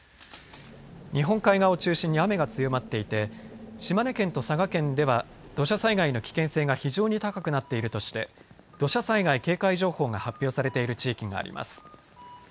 日本海側を中心に雨が強まっていて島根県と佐賀県では土砂災害の危険性が非常に高くなっているとして土砂災害警戒情報が発表されている地域があります。